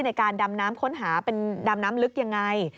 ในการดำน้ำค้นหาเป็นดำน้ำลึกยังไง